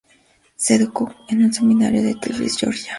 Se educó en un seminario en Tiflis, Georgia.